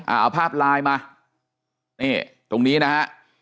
เอาภาพไลน์มานี่ตรงนี้นะฮะ